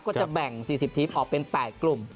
ก็จะแบ่ง๔๐ทีมออกเป็น๘กลุ่ม